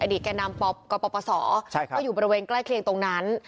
แก่นำกปศก็อยู่บริเวณใกล้เคียงตรงนั้น